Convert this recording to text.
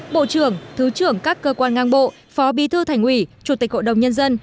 bộ trưởng thứ trưởng các cơ quan ngang bộ phó bí thư thành ủy chủ tịch hội đồng nhân dân